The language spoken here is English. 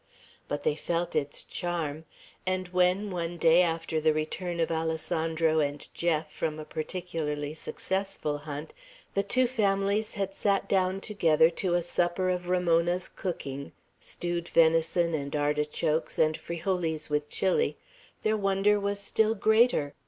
But they felt its charm; and when, one day, after the return of Alessandro and Jeff from a particularly successful hunt, the two families had sat down together to a supper of Ramona's cooking, stewed venison and artichokes, and frijoles with chili, their wonder was still greater.